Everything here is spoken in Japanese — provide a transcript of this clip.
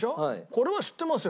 これは知ってますよ。